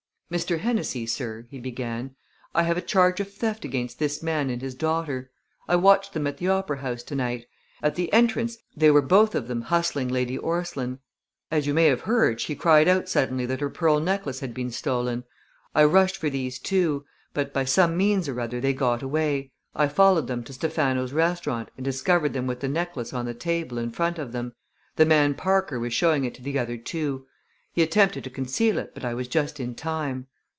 "Mr. Hennessey, sir," he began, "I have a charge of theft against this man and his daughter. I watched them at the opera house to night. At the entrance they were both of them hustling Lady Orstline. As you may have heard, she cried out suddenly that her pearl necklace had been stolen. I rushed for these two, but by some means or other they got away. I followed them to Stephano's restaurant and discovered them with the necklace on the table in front of them; The man Parker was showing it to the other two. He attempted to conceal it, but I was just in time."